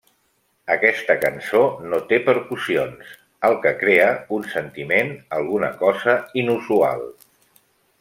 Aquesta cançó no té percussions, el que crea un sentiment alguna cosa inusual.